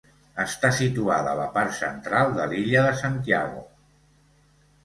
Està situada a la part central de l'illa de Santiago.